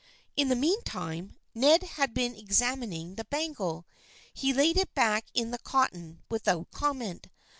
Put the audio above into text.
In the meantime Ned had been examining the bangle. He laid it back in the cotton without comment.